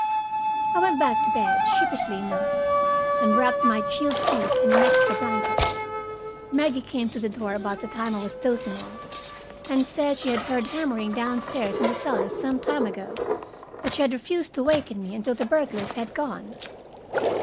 I went back to bed, sheepishly enough, and wrapped my chilled feet in an extra blanket. Maggie came to the door about the time I was dozing off and said she had heard hammering downstairs in the cellar some time ago, but she had refused to waken me until the burglars had gone.